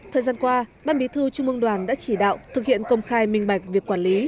thời gian qua ban bí thư trung mương đoàn đã chỉ đạo thực hiện công khai minh bạch việc quản lý